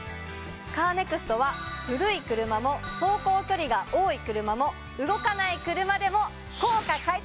カーネクストは古い車も走行距離が多い車も動かない車でも。